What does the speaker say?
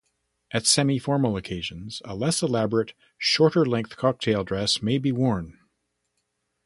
At semi-formal occasions, a less elaborate, shorter-length cocktail dress may be worn.